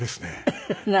フフフ何？